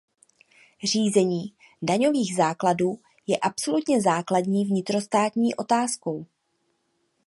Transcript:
Řízení daňových základů je absolutně základní vnitrostátní otázkou.